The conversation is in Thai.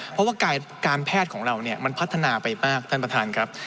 เพราะว่าการแพทย์ของเราเนี่ยมันพัฒนาไปมากท่านประธานครับ